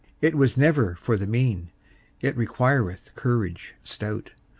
It was never for the mean; It requireth courage stout.